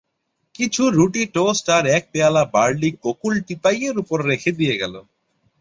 কিছু রুটি-টোস্ট আর এক পেয়ালা বার্লি গোকুল টিপাই-এর উপর রেখে দিয়ে গেল।